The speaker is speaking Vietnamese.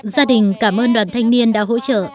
gia đình cảm ơn đoàn thanh niên đã hỗ trợ